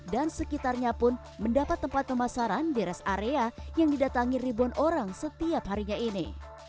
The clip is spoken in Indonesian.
sekitarnya pun mendapat tempat pemasaran di rest area yang didatangi ribuan orang setiap harinya ini